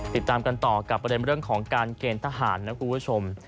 ติดตามกันต่อกับประเด็นเรื่องของการเกณฑ์ทหารนะคุณผู้ชม